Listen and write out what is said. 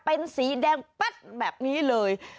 เป็นสีแดงแป๊บแบบนี้เลย